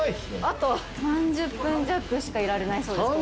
あと３０分弱しかいられないそうです